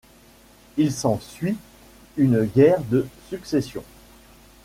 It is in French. Il s'ensuit une guerre de succession.